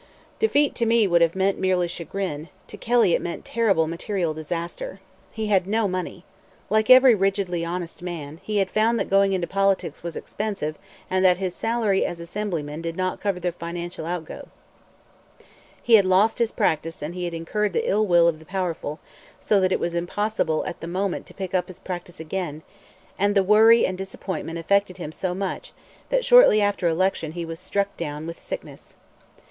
Defeat to me would have meant merely chagrin; to Kelly it meant terrible material disaster. He had no money. Like every rigidly honest man, he had found that going into politics was expensive and that his salary as Assemblyman did not cover the financial outgo. He had lost his practice and he had incurred the ill will of the powerful, so that it was impossible at the moment to pick up his practice again; and the worry and disappointment affected him so much that shortly after election he was struck down by sickness.